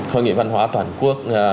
hội nghị văn hóa toàn quốc